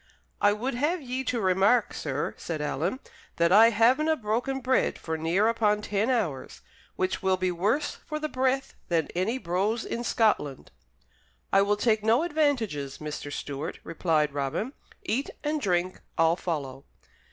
"I would have ye to remark, sir," said Alan, "that I havenae broken bread for near upon ten hours, which will be worse for the breath than any brose in Scotland." "I will take no advantages, Mr. Stewart," replied Robin. "Eat and drink; I'll follow."